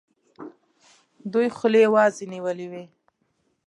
دوی خولې وازي نیولي وي.